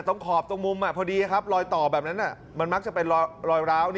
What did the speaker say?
ขอบตรงมุมพอดีครับรอยต่อแบบนั้นมันมักจะเป็นรอยร้าว